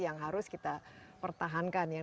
yang harus kita pertahankan